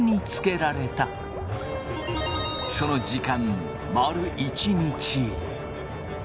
その時間丸一日。